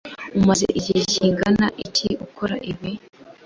Umaze igihe kingana iki ukora ibi?